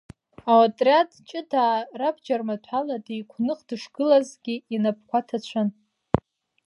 Аотриад ҷыдаа рабџьармаҭәала деиқәных дышгылазгьы, инапқәа ҭацәын.